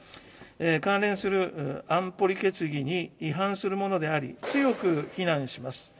関連する安保理決議に違反するものであり、強く非難します。